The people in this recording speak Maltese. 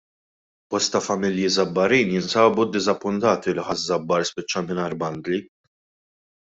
Bosta familji Żabbarin jinsabu ddiżappuntati li Ħaż - Żabbar spiċċa mingħajr bandli.